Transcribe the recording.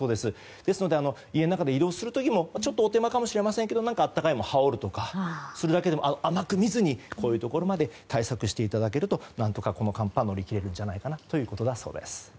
ですので、家の中で移動する時もちょっとお手間かもしれませんが暖かいものを羽織るとか甘く見ずにこういうところまで対策していただくと何とか、この寒波乗り切れるんじゃないかなということだそうです。